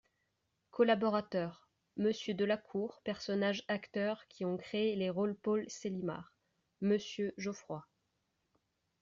COLLABORATEURS : Monsieur DELACOUR PERSONNAGES Acteurs qui ont créé les rôles Paul Célimare : MMonsieur Geoffroy.